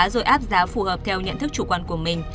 rồi áp giá phù hợp theo nhận thức chủ quan của mình